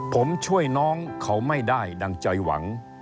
ผมช่วยน้องเขาไม่ได้ดังใจหวัง